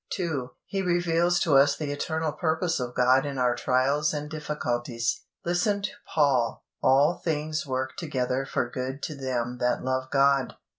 2. He reveals to us the eternal purpose of God in our trials and difficulties. Listen to Paul: "All things work together for good to them that love God."